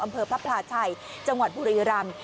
อำเภอพระพลาชัยจังหวัดบุรีรำ